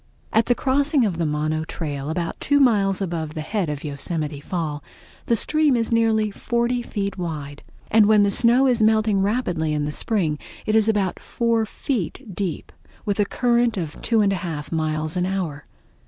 At the crossing of the Mono Trail, about two miles above the head of the Yosemite Fall, the stream is nearly forty feet wide, and when the snow is melting rapidly in the spring it is about four feet deep, with a current of two and a half miles an hour.